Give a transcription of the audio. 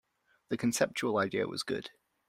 The conceptual idea was good.